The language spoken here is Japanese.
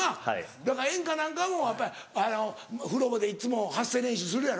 だから演歌なんかもやっぱり風呂場でいっつも発声練習するやろ？